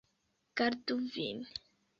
Gardu vin.